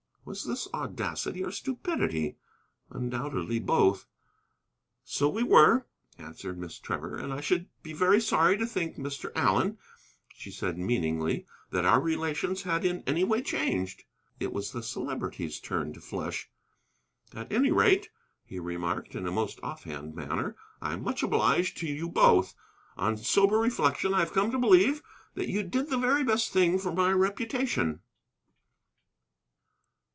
Was this audacity or stupidity? Undoubtedly both. "So we were," answered Miss Trevor, "and I should be very sorry to think, Mr. Allen," she said meaningly, "that our relations had in any way changed." It was the Celebrity's turn to flush. "At any rate," he remarked in his most offhand manner, "I am much obliged to you both. On sober reflection I have come to believe that you did the very best thing for my reputation."